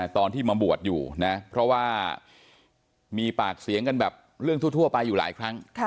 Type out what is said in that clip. ตอนที่มาบวชอยู่นะเพราะว่ามีปากเสียงกันแบบเรื่องทั่วไปอยู่หลายครั้ง